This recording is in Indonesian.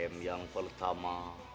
m yang pertama